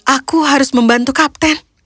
aku harus membantu kapten